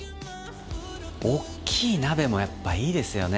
大っきい鍋もやっぱいいですよね。